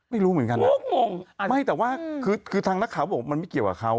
ไม่รู้เหมือนกันนะไม่แต่ว่าคือทางนักข่าวบอกมันไม่เกี่ยวกับเขา